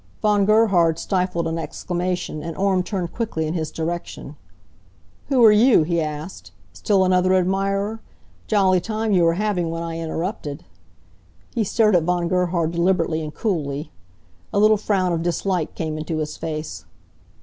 Von Gerhard stifled an exclamation, and Orme turned quickly in his direction. "Who are you?" he asked. "Still another admirer? Jolly time you were having when I interrupted." He stared at Von Gerhard deliberately and coolly. A little frown of dislike came into his face.